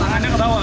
tangannya ke bawah